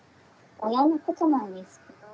親のことなんですけど。